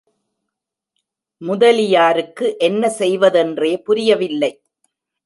முதலியாருக்கு என்ன செய்வதென்றே புரியவில்லை.